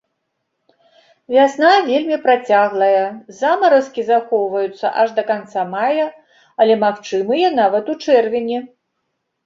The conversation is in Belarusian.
Вясна вельмі працяглая, замаразкі захоўваюцца аж да канца мая, але магчымыя нават у чэрвені.